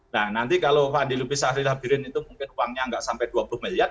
nah nanti kalau pandil lubis syahril sabirin itu mungkin uangnya tidak sampai dua puluh miliar